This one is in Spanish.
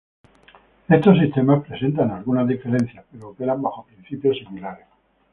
Estos sistemas presentan algunas diferencias, pero operan bajo principios similares.